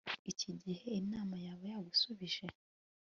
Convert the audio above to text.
iki gihe imana yaba yagusubije